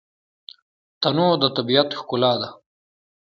تنوع د طبیعت ښکلا ده.